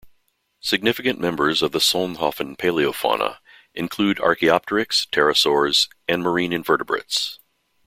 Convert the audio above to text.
Significant members of the Solnhofen paleofauna include "Archaeopteryx", pterosaurs, and marine invertebrates.